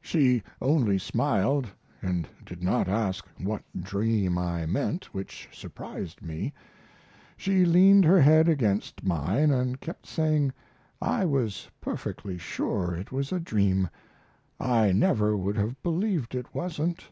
She only smiled and did not ask what dream I meant, which surprised me. She leaned her head against mine & kept saying, "I was perfectly sure it was a dream; I never would have believed it wasn't."